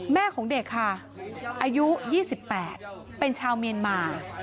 แม่ของเด็กค่ะอายุ๒๘เป็นชาวเมียนมา